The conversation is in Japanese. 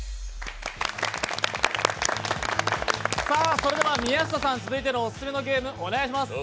それでは宮下さん、続いてのオススメのゲーム、お願いします。